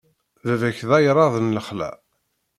Baba-k d ayrad n lexla.